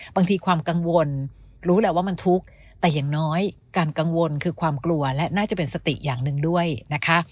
ความกังวลรู้แหละว่ามันทุกข์แต่อย่างน้อยการกังวลคือความกลัวและน่าจะเป็นสติอย่างหนึ่งด้วยนะคะ